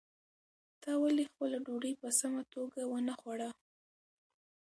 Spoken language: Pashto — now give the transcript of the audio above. تا ولې خپله ډوډۍ په سمه توګه ونه خوړه؟